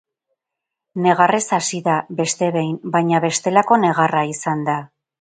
Negarrez hasi da, beste behin, baina bestelako negarra izan da.